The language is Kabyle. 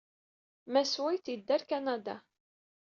Mass White yedda ɣer Kanada.